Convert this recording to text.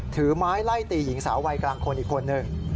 ถือไม้ไล่ตีหญิงสาววัยกลางคนอีกคนหนึ่ง